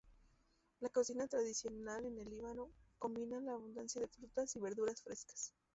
La cocina tradicional en el Líbano combina la abundancia de frutas y verduras frescas.